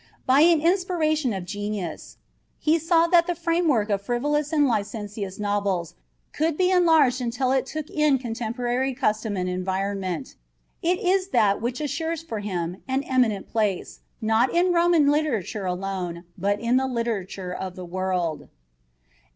By an inspiration of genius, he saw that the framework of frivolous and licentious novels could be enlarged until it took in contemporary custom and environment. It is that which assures for him an eminent place, not in Roman literature alone, but in the literature of the world.